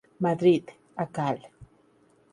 Madrid: Akal.